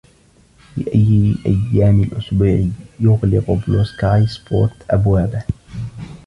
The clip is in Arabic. في أي أيام الاسبوع يغلق بلو سكاي سبورت أبوابه؟